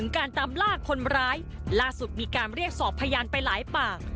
การเรียกสอบพยานไปหลายปาก